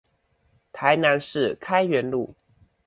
台南市開元路